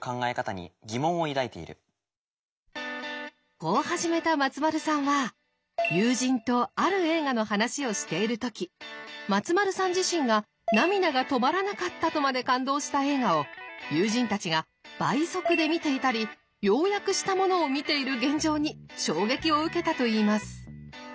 こう始めた松丸さんは友人とある映画の話をしている時松丸さん自身が涙が止まらなかったとまで感動した映画を友人たちが倍速で見ていたり要約したものを見ている現状に衝撃を受けたといいます。